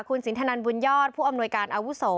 คุณสินทนันบุญยอดผู้อำนวยการอาวุโส